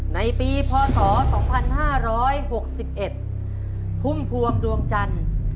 ในปีพศ๒๕๖๑พุ่มพวงดวงจันทร์